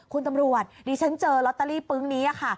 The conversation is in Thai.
คุณตำรวจดิฉันเจอลอตเตอรี่ปึ๊งนี้ค่ะ